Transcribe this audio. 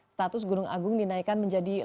status gunung agung dinaikkan menjadi level empat awas